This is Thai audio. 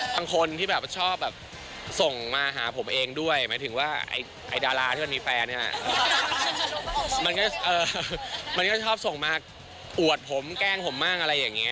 บางคนที่ชอบอยากส่งมาหาผมเองด้วยหมายถึงว่าไอดาราที่มีแฟนมันก็ชอบส่งมาอวดผมแกล้งมากอะไรแบบนี้